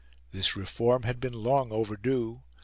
This reform had been long overdue.